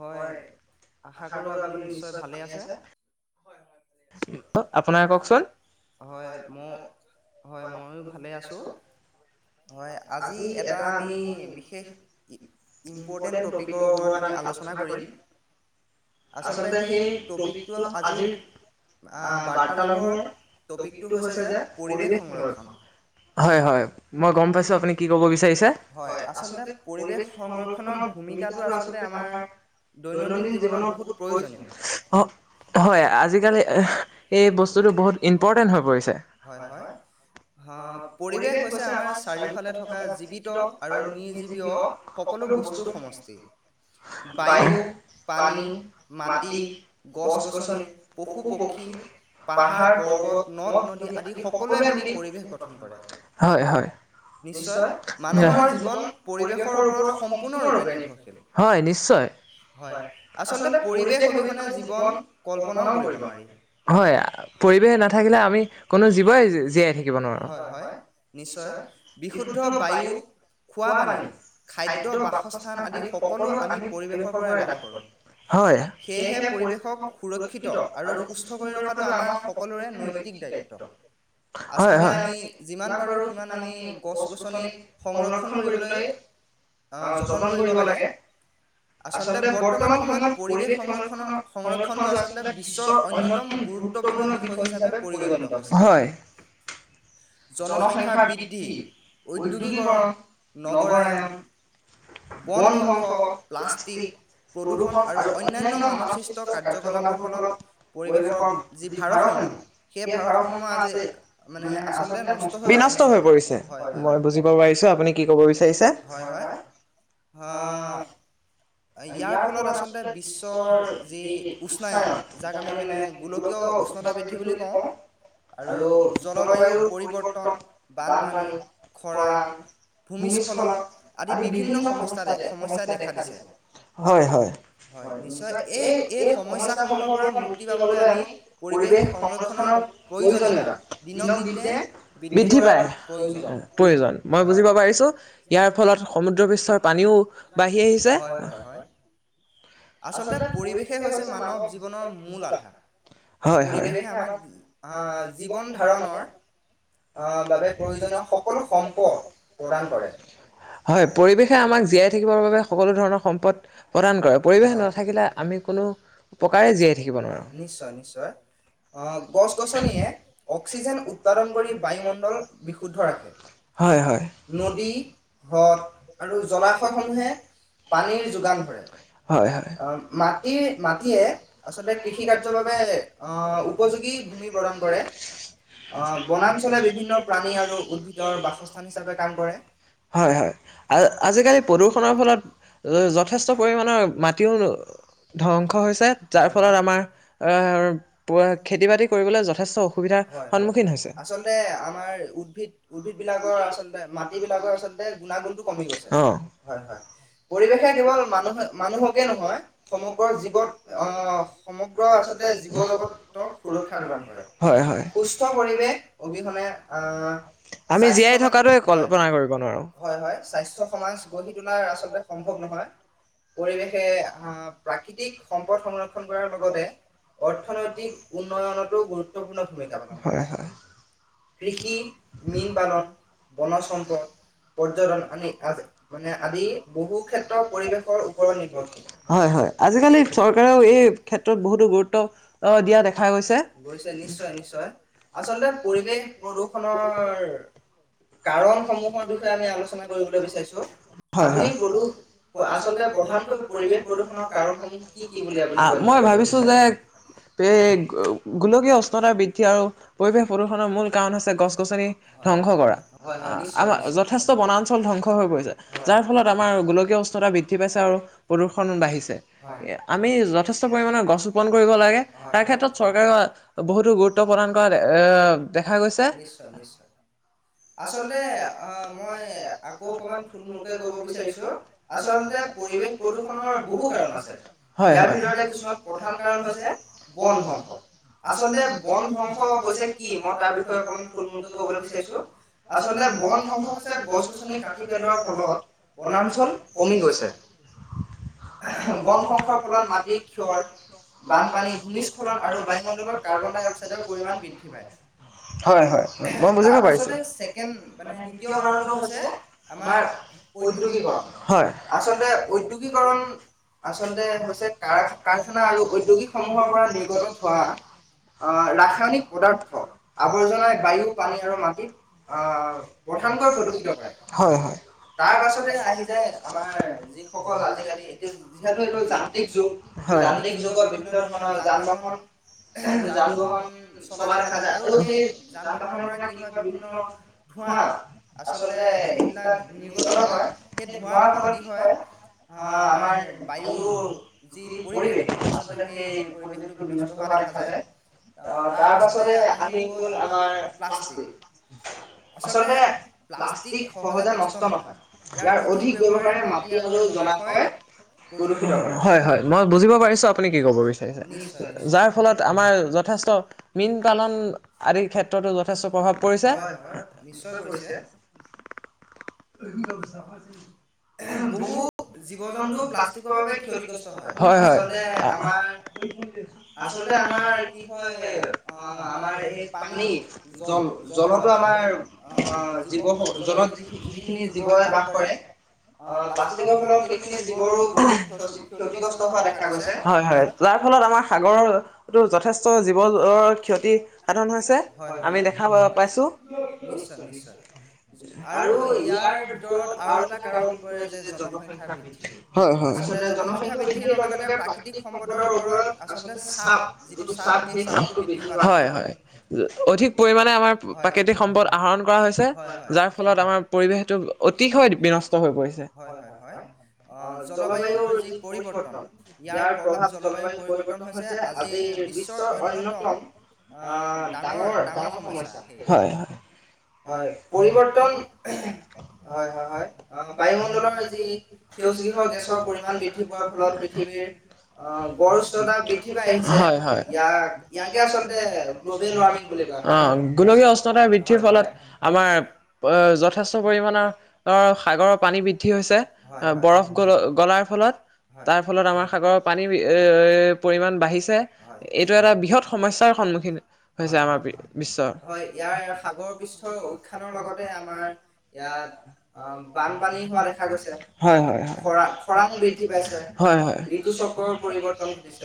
হয় আশা কৰোঁ আপুনি নিশ্চয় ভালে আছে। হয় হয় হয়। টুক ও অহ আপোনাৰ কওকচোন। হয় মও হয় মইয়ো ভালে আছোঁ। টি আজি এটা আমি বিশেষ ইম্পৰ্টেণ্ট টোপিকৰ ওপৰত আমি আলোচনা কৰিম। আচলতে সেই টোপিকটো আজিৰ আহ বাৰ্তালাভৰ টপিকটো হৈছে যে পৰিৱেশ সংৰক্ষণ। হয় হয়, মই গম পাইছোঁ আপুনি কি কব বিচাৰিছে। হৈ আচলতে পৰিৱেশ সংৰক্ষণৰ ভূমিকাটো আচলতে আমাৰ দৈনন্দিন জীৱনৰ বহুত প্ৰয়োজন ইচ্ অ অ। হয় আজিকালি এহ এই বস্তুটো বহুত ইম্পৰ্টেন্ট হৈ পৰিছে হয় হয়। হা আ আ পৰিৱেশ হৈ আমাৰ চাৰিওফালে থকা জীৱিত আৰু নিৰ্জীৱীয় সকলো বস্তুৰ সমষ্টি। বায়ু পানী, মাটি, গছ-গছনি, পশু-পক্ষী। পাহাৰ-পৰ্বত, নদ-নদী আদি সকলোৱে মিলি পৰিৱেশ গঠন কৰে। হয় হয়। নিশ্চয় যা আমাৰ জীৱন পৰিৱেশৰ ওপৰত সম্পূৰ্ণৰূপে নিৰ্ভৰ, হয় নিশ্চয়। হয়, আচলতে পৰিৱেশ অবিহনে জীৱন কল্পনাও কৰিব নালাগে। হয়, পৰিৱেশ নাথাকিলে আমি কোনো জীৱই জী জীয়াই থাকিব নোৱাৰো হয় হয়। নিশ্চয় বিশুদ্ধ বায়ু। খোৱ পানী, খাদ্য, বাসস্থান আদি সকলো আমি পৰিৱেশৰ পৰাই লাভ কৰোঁ। হয়, সেয়েহে পৰিৱেশক সুৰক্ষিত আৰু সুস্থ কৰি ৰখাটো আমাৰ সকলোৰে নৈতিক দায়ি ত, আচলতে আমি যিমান পাৰো সিমা সিমান আমি গছ-গছনি ‌সংৰক্ষণ কৰিবলৈ অ অ, যতন কৰিব লাগে। আচলতে বৰ্তমান সময়ত পৰিৱেশ সংৰক্ষণৰ সংৰক্ষণটো আচলতে বিশ্বৰ অন্যতম গুৰুত্ব গুৰুত্বপূৰ্ণ বিষয় হিচাপে পৰিগণিত হৈছে জনসংখ্যাৰ ভিত‌ বৃদ্ধি, উদদ্যোগীকৰণ, নগৰায়ন বন ধ্বংস প্লাষ্টিক। প্ৰদূষণ আৰু অন্যান্য মানৱ সৃষ্ট কাৰ্যকলাপৰ ফলত পৰিৱেশৰ যি ভাৰসাম্য সেই ভাৰসাম্য আজি মানে আচলতে নষ্ট হৈ আহি। নষ্ট হৈ পৰিছে মই বুজিব পাৰিছো আপুনি কি কব বিচাৰিছে হয় হয়। হ আ আ আ আ। ইয়াৰ ফলত আচলতে বিশ্বৰ যি উচ্চায়ন যাৰি মানে। গোলকীয় উচ্চতা বৃদ্ধি বুলি কওঁ, আৰু জলবায়ুৰ পৰিৱৰ্তন বানপানী, খৰাং ভূমিস্খলন আদি বিভিন্ন সমস্যা তে, সমস্যা দেখা দিছে। হয়-হয়। হয় নিশ্চয় এই -এই সমস্যা সমূহৰ পৰা মুক্তি পাবলৈ আমি, পৰিৱেশ সংৰক্ষণৰ প্ৰয়োজনতা, দিনক দিনে বৃদ্ধি পায়। প্ৰয়োজন, প্ৰয়োজন মই বুজিব পাৰিছো, ইয়াৰ ফলত সমুদ্ৰপৃষ্ঠৰ পানীও। বাঢ়ি আহিছে, হয়- হয়। হয়, আচলতে পৰিৱেশে হৈছে মানৱ জীৱনৰ মূল আধাৰ। পৰিৱেশে আমাক, আহ', জীৱন ধাৰণৰ। আহ', বাবে প্ৰয়োজনীয় সকলো সম্পদ, প্ৰদান কৰে। হয় পৰিৱেশে আমাক জীয়াই থাকিবৰ বাবে সকলো ধৰণৰ সম্পদ প্ৰদান কৰে পৰিৱেশ নাথাকিলে আমি কোনো, প্ৰকাৰে জীয়াই থাকিব নোৱাৰো। নিশ্চয়-নিশ্চয়। আহ', গছ-গছনিয়ে, অক্সিজেন উৎপাদন কৰি বায়ুমণ্ডল হয়, হয়- হয়, নদী, হ্ৰদ আৰু জলাশয়সমূহে পানীৰ যোগান ধৰে। হয়- হয়, অ', মাটি -মাটিয়ে, আচলতে কৃষি কাৰ্যৰ বাবে আহ', উপযোগী ভূমি প্ৰদান কৰে, আহ', বনাঞ্চলে বিভিন্ন প্ৰাণী আৰু উদ্ভিদৰ বাসস্থান হিচাপে কাম কৰে। হয়-হয়, আ-আজিকালি প্ৰদূষণৰ ফলত, যথে ষ্ট পৰিমাণৰ মাটিও ধ্বংস হৈছে, যাৰ ফলত আমাৰ, আহ', প খেতি-বাতি কৰিবলৈ যথেষ্ট হয়-হয়, আচলতে আমা ৰ উদ্ভিদ-উদ্ভিদ বিলাকৰ আচলতে মাটি বিলাকৰ আচলতে গুণাগুণটো কমি গৈছে। হয়-হয়। পৰিৱেশে কেৱল মানুহে-মানুহকে নহয়, সমগ্ৰ জীৱত আহ', সমগ্ৰ আচলতে জীৱ জগত তক সুৰক্ষা প্ৰদান কৰে, সুস্থ পৰিৱেশ অবিহনে আহ', - স্বাস্থ্যৱান হয়, হয়-হয় স্বাস্থ্য সমাজ গঢ়ি তোলাৰ আচলতে সম্ভৱ নহয়। পৰিৱেশে আহ', প্ৰাকৃতিক সম্পদ সংৰক্ষণ কৰাৰ লগতে অৰ্থনৈতিক উন্নয়নতো গুৰুত্বপূৰ্ণ ভূমিকা পালন কৰে। হয় হয়। কৃষি, মীনপালন, বনচ, সম্পদ পৰ্যটন আনি আ মানে আদি বহু ক্ষেত্ৰত পৰিৱিশৰ ওপৰত নিৰ্ভৰ কৰে। হয়- হয় আজি-কালি চৰকাৰেও এই ক্ষেত্ৰত বহুতো গুৰুত্ব অ', দিয়া দেখা গৈছে। গৈছে নিশ্চয়- নিশ্চয় আচলতে পৰিৱেশ প্ৰদূষণৰ কাৰণ সমূহৰ বিষয়ে আমি আলোচনা কৰিবলৈ বিচাৰছো! হয় -হয়। আচলতে প্ৰধানটো পৰিবেশ প্ৰদূষণৰ কাৰণসমূহ কি কি বুলি, মই ভাবিছো যে এহ গো -গোলকীয় উষ্ণতা বৃদ্ধি আৰু পৰিৱেশ প্ৰদূষণৰ মূল কাৰণ হৈছে গছ- গছনি ধ্বংস কৰা, আমাৰ যথেষ্ট বনাঞ্চল ধ্বংস হৈ পৰিছে। যাৰ ফলত আমাৰ গোলকীয় উ ষ্ণতা বৃদ্ধি পাইছে আৰু প্ৰদূষণ বাঢ়িছে, আমি যথেষ্ট পৰিমাণৰ গছ ৰোপন কৰিব লাগে। তাৰ ক্ষেত্ৰত চৰকাৰেও, বহুতো গুৰুত্ব প্ৰদান কৰা এ দেখা গৈছে। আচলতে আ মই আকৌ অকণমান থূল মূলকে ক'ব বিচাৰিছোঁ। আচলতে পৰিৱেশ প্ৰদূষণৰ বহু কাৰণ আছে, ইয়াৰ ভিতৰতে কিছুমান প্ৰধান কাৰণ হৈছে বন ধ্বংস, আচলতে বন ধ্বংস হৈছে কি? মই তাৰ বিষয়ে অকণমান থূল মূলকৈ ক'বলৈ বিচাৰছো। আচলতে বন ধ্বংস হৈছে, গছ গছনি কাটি পেলোৱাৰ ফলত বনাঞ্চল কমি গৈছে, বন ধ্বংসৰ ফলত মাটিৰ ক্ষয় বানপানী, ভূমিস্খলন আৰু বায়ুমণ্ডলৰ কাৰ্বন ডাই অক্সাইডৰ পৰিমাণ বৃদ্ধি পায়। হয় হয়, মই বুজিব পাৰিছো। আমাৰ উদ্যোগীকৰণ, হয়, আচলতে উদ্যোগকৰণ আচলতে হৈছে কাৰ কাৰখানা আৰু উদ্যোগিক সমূহৰ পৰা নিৰ্গত হোৱা আহ', ৰাসায়নিক পদাৰ্থ। আৱৰ্জনাই বায়ু, পানী আৰু মাটিত আহ', প্ৰধানকৈ প্ৰদূশিত কৰে, হয় হয়। তাৰ পাছতে আহি যায় আমাৰ যিসকল আজিকালি এইটো এতিয়াতো এইটো যান্ত্ৰিক যুগ, যান্ত্ৰিক যুগত বি বিভিন্ন ধৰণৰ যান বাহন যান বাহন চলা দেখা যায়। আৰু সেই যান বাহনৰ পৰা কি হয় বিভিন্ন ধোৱা আচলতে এইবিলাক নিজৰে হয়, সেই ধোৱাৰ ফলত কি হয় হয়, আমাৰ বায়ুৰ যি পৰিৱেশ, আচলতে সেই পৰিৱেশটো বিনষ্ট হোৱা দেখা যায়, অ', তাৰ পাছতে আমি আহি গ'ল আমাৰ প্লাষ্টিক। আচলতে প্লাষ্টিক সহজে নষ্ট নহয়, ইয়াৰ অধিক ব্যৱহাৰে মাটি আৰু জ্বলাশয় প্ৰদূশিত কৰে, হয় হয়, মই বুজিব পাৰিছো আপুনি কি ক'ব বিচাৰিছে, যাৰ ফলত আমাৰ যথেষ্ট মীন পালন আদিৰ ক্ষেত্ৰতো যথেষ্ট প্ৰভাৱ পৰিছে, হয় হয়, যথেষ্ট পৰিছে। [unintelligible] বহু জীৱ জন্তু প্লাষ্টিকৰ বাবে ক্ষতিগ্ৰস্ত হয়, হয় হয়, আমাৰ আচলতে আমাৰ কি কয় অ', আমাৰ এই পানী জল জলতো আমাৰ অ', জীৱ জলত যিখিনি যিখিনি জীৱই বাস কৰে। অ', প্লাষ্টিকৰ ফলত সেইখিনি যিবোৰো ক্ষতিগ্ৰস্ত হোৱা দেখা গৈছে, হয় হয়। যাৰ ফলত আমাৰ সাগৰতো যথেষ্ট জীৱ জৰ ক্ষতি সাধন হৈছে। হয়, আমি দেখা পাইছো, নিশ্চয় নিশ্চিয়। আৰু ইয়াৰ ভিতৰত আৰু এটা কাৰণ জনসংখ্যা বৃদ্ধি, হয় হয়, আচলতে জনসংখ্যা বৃদ্ধিৰ লগে লগে প্ৰাকৃতিক সম্পদৰ ওৰত আচলতে চাপ, যিটো চাপ সেই চাপটো বৃদ্ধী হয়, হয়, অধিক পৰিমাণে আমাৰ প্ৰাকৃতিক সম্পদ আহৰণ কৰা হৈছে, যাৰ ফলত আমাৰ পৰিৱেশটো অতিশয় বিনষ্ট হৈ পৰিছে। হয়, হয়, হয়। আহ, জলবায়ুৰ যি পৰিৱৰ্তন, ইয়াৰ প্ৰভাৱ জলবায়ু পৰিৱৰ্তন হৈছে, আজি আজিৰ বিশ্বৰ অন্যতম আহ', ডাঙৰ ডাঙৰ সমস্যা, সেই হয়, পৰিৱৰ্তন হয়, হয়, হয়। বায়ুমণ্ডলৰ যি সেউজগৃহ গেছৰ পৰিমণ বৃদ্ধি পোৱাৰ ফলত পৃথিৱীৰ অ', গড় উচ্নটা বৃদ্ধি পাই আহিছে, হয়, হয়, ইয়াকে আচলতে অ', গোলকীয় উষ্ণতা বৃদ্ধিৰ ফলত আমাৰ যথেষ্ট পৰিমাণৰ সাগৰ পানী বৃদ্ধি হৈছে, বৰফ গল গলাৰ ফলত তাৰ ফলত আমাৰ সাগৰৰ পানী পৰিমাণ বাঢ়িছে এইটো এটা বৃহৎ সমস্যাৰ সন্মুখীন হৈছে। আমাৰ বিশ্ব হয় ইয়াৰ সাগৰ পৃষ্টৰ উৎসানৰ লগতে তোমাৰ, ইয়াত, আ বান। বানপানী হোৱা দেখা গৈছে, খৰাং বৃদ্ধি পাইছে, ঋতু চক্ৰ পৰিৱৰ্তন।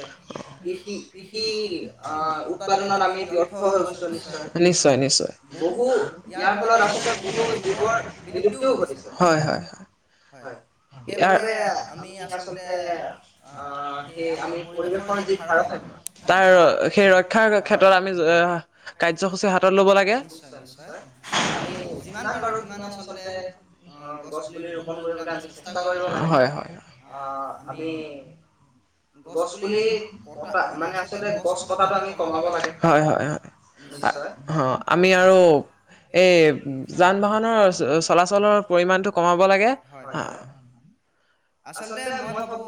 কৃষি কৃষি আ উৎপাদনত আমি ব্যৰ্থ হৈ গৈছোঁ, নিশ্চয়, নিশ্চয়। বহু ইয়াৰ ফলত আঁচলতে বহু যুগৰ বিলুপ্তিও ঘটিছে। আমি আচলতে আ আমি পৰিৱেশ যি ভাৰসাম্য, তাৰ সেই ৰক্ষাৰ ক্ষেত্ৰত আমি নিশ্চয়, নিশ্চয় আমি যিমান পাৰো সিমান আঁচলতে আ গছ ৰোপণ কৰিবলৈ আমি চেষ্টা কৰিব লাগে, অ আমি গছ পুলি কটা, মানে আঁচলতে গছ কটাটো আমি কমাব লাগে। অ', আমি আৰু এই যান বাহনৰ চলাচলৰ পৰিমাণটো কমাব লাগে। হয়, হয়। আচলতে মই ভাবোঁ,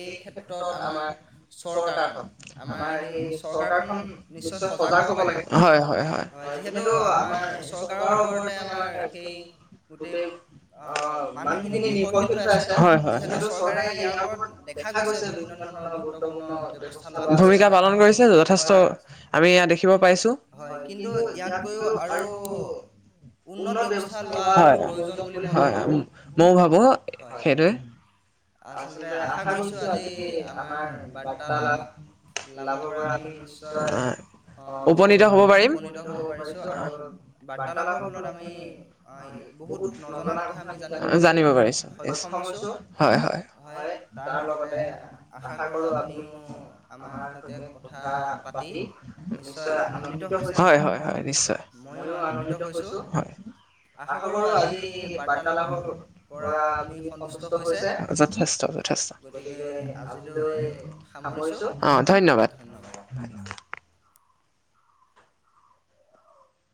এই ক্ষেত তত আমাৰ চৰকাৰখন, আমাৰ সেই চৰকাৰখন নিশ্চয় সজাগ হ'ব লাগে। হয়, যিহেতু আমাৰ চৰকাৰৰ ওপৰতে তোমাৰ সেই গোটেই মানুহখিনি নিৰ্ভৰশল হৈ আছে। যিহে এইটো চৰকাৰে ইয়াৰ ওপৰত দেখা গৈছে। বিভি বিভিন্ন ধৰণৰ গুৰুত্বপূৰ্ণ ব্যৱস্থা লোৱা হৈছে, হয়। হয়, কিন্তু ইয়াতকৈও আৰু উন্নত ব্যৱস্থা লোৱাটোৰ প্ৰয়োজন বুলি মই ভাবোঁ। হয় ' আচলতে আশা কৰিছো আজি আমাৰ বাৰ্তালাপ লাভৰ পৰা আমি নিশ্চয় অ', বহুত উপনীত হ'ব পাৰিছোঁ, আৰু বাৰ্তালাভৰ ফলত আম আমি বহুত নজনা কথা আমি জানিবলৈ সক্ষম হৈছোঁ। হয়, তাৰ লগত লগতে আশা কৰো আপুনিও আমাৰ সৈতে কথা পাতি নিশ্চয় আনন্দিত হৈছোঁ, হয় হয় হয় নিশ্চয়, মইও আনন্দিত হৈছোঁ। হয় ' আশা কৰোঁ আজি বাৰ্তা লাপৰ পৰা আপুনি সন্তুষ্ট হৈছে। যথেষ্ট, যথেষ্ট, অ ধন্যবাদ।